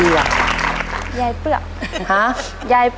ครอบครับ